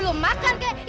itu bukan urusanmu bu